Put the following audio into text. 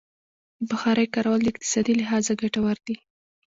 د بخارۍ کارول د اقتصادي لحاظه ګټور دي.